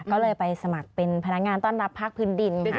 ก็เลยไปสมัครเป็นพนักงานต้อนรับภาคพื้นดินค่ะ